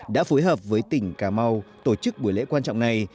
đã phối hợp với tỉnh cà mau tổ chức buổi lễ quan trọng này